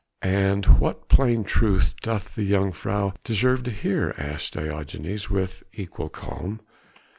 "And what plain truth doth the jongejuffrouw desire to hear?" asked Diogenes with equal calm.